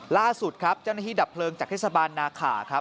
ล่าสุดเจ้านาทีดับเพลิงจากเทศบาลนาคา